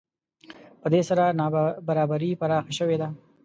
په دې سره نابرابري پراخه شوې ده